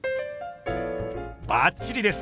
バッチリです！